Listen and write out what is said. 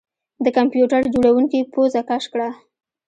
د کمپیوټر جوړونکي پوزه کش کړه